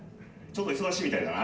ちょっと忙しいみたいだな。